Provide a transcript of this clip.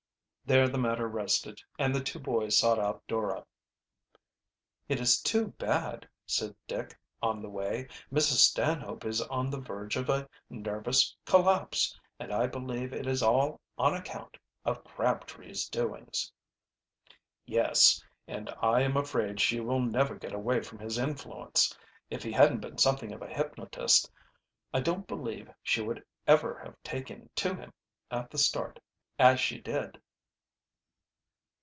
There the matter rested, and the two boys sought out Dora. "It is too bad," said Dick, on the way. "Mrs. Stanhope is on the verge of a nervous collapse, and I believe it is all on account of Crabtree's doings." "Yes, and I am afraid she will never get away from his influence. If he hadn't been something of a hypnotist I don't believe she would ever have taken to him at the start as she did."